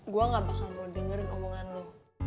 gue gak bakal mau dengerin omongan lo